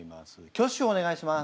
挙手をお願いします。